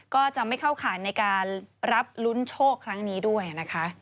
ก็จะไม่เข้าข่ายในการรับลุ้นโชคครั้งนี้ด้วยนะคะ